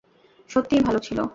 সত্যিই ভালো ছিলো।